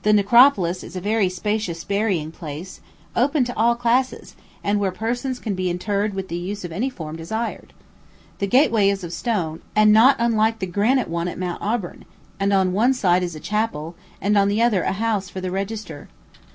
The Necropolis is a very spacious burying place, open to all classes, and where persons can be interred with the use of any form desired. The gateway is of stone, and not unlike the granite one at Mount Auburn; and on one side is a chapel, and on the other a house for the register.